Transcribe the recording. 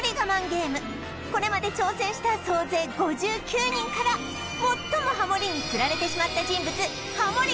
これまで挑戦した総勢５９人から最もハモリにつられてしまった人物ハモリ